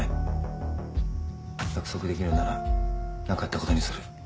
約束できるならなかったことにする。